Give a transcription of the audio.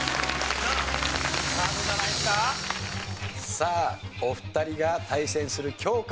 さあお二人が対戦する教科